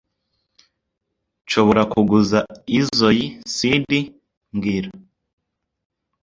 Nshobora kuguza izoi CD mbwira